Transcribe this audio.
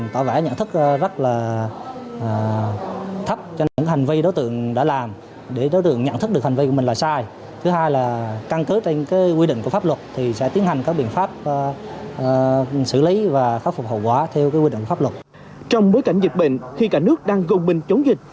trong bối cảnh dịch bệnh khi cả nước đang gồng mình chống dịch